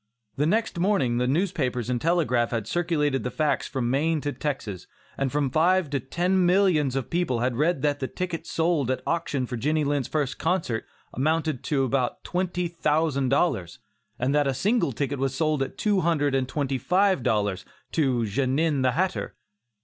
The next morning the newspapers and telegraph had circulated the facts from Maine to Texas, and from five to ten millions of people had read that the tickets sold at auction for Jenny Lind's first concert amounted to about twenty thousand dollars, and that a single ticket was sold at two hundred and twenty five dollars, to "Genin, the hatter."